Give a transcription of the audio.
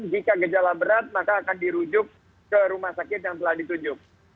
jika gejala berat maka akan dirujuk ke rumah sakit yang telah ditunjuk